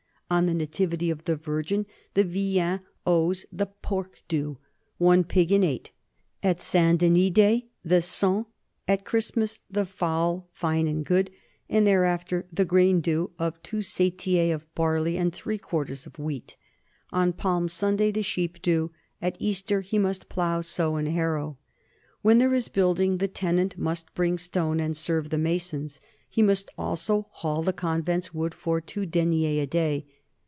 On the Nativity of the Virgin the villain owes the pork due, one pig in eight; at St. Denis* day the cens; at Christmas the fowl, fine and good, and there after the grain due of two sellers of barley and three quarters of wheat; on Palm Sunday the sheep due; at Easter he must plow, sow and harrow. When there is building the tenant must bring stone and serve the masons; he must also haul the convent's wood for two deniers a day.